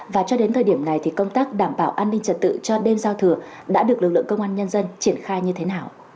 và cho đến thời điểm này thì công tác đảm bảo an ninh trật tự cho đêm giao thừa đã được lực lượng công an nhân dân triển khai như thế nào